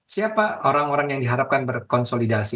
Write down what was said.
siapa orang orang yang diharapkan berkonsolidasi